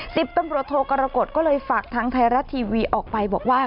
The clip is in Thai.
สิบตำรวจโทกรกฎก็เลยฝากทางไทยรัฐทีวีออกไปบอกว่า